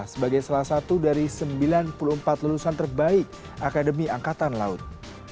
sebagai salah satu dari sembilan puluh empat lulusan terbaik akademi angkatan laut